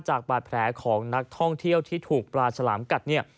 จากบาดแผลของนักท่องเที่ยวที่ถูกปลาฉลามกัดเนี่ย